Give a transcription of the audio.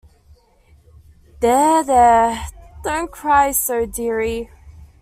There — there — don’t cry so, dearie.